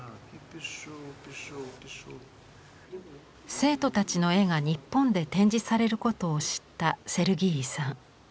生徒たちの絵が日本で展示されることを知ったセルギーイさん。